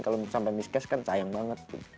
kalau sampai miscast kan sayang banget